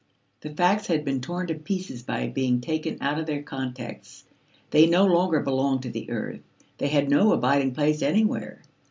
The facts had been torn to pieces by being taken out of their context. They no longer belonged to the earth; they had no abiding place anywhere.